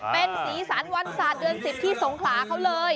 เป็นสีสันวันศาสตร์เดือน๑๐ที่สงขลาเขาเลย